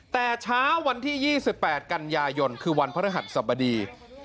แต่เช้าวันที่๒๘กันยายนคือวันพระฤหัสสบดี